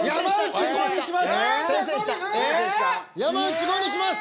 山内５にします！